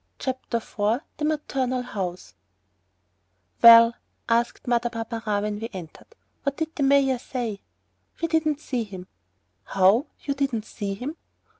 CHAPTER IV THE MATERNAL HOUSE "Well," asked Mother Barberin, when we entered, "what did the mayor say?" "We didn't see him." "How! You didn't see him?"